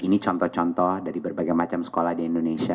ini contoh contoh dari berbagai macam sekolah di indonesia